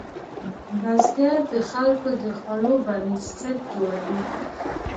بزګر د خلکو د خوړو بنسټ جوړوي